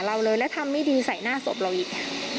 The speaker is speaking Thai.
เอาสีแดงขึ้น